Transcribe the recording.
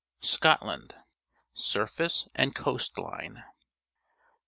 SCOTLAND Surface and Coast line.